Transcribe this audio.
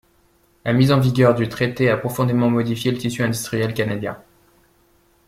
La mise en vigueur du traité a profondément modifié le tissu industriel canadien.